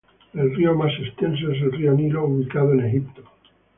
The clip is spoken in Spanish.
El río más extenso es el río Nilo, ubicado en Egipto.